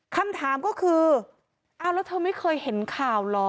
คำถามก็คืออ้าวแล้วเธอไม่เคยเห็นข่าวเหรอ